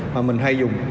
mà mình hay dùng